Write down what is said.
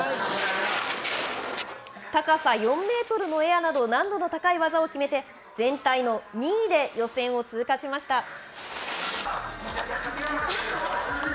高さ４メートルのエアなど、難度の高い技を決めて、全体の２位で予選を通過しました。